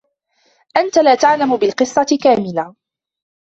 أنت لا تعلم بالقصة كاملة.